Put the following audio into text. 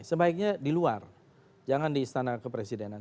sebaiknya di luar jangan di istana kepresidenan